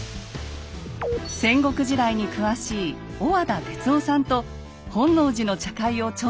戦国時代に詳しい小和田哲男さんと本能寺の茶会を調査します。